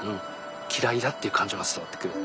嫌いだっていう感情が伝わってくる。